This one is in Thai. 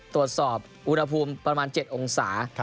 ตรวจสอบอุณหภูมิประมาณ๗องศา